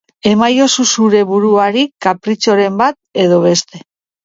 Emaiozu zure buruari kapritxoren bat edo beste.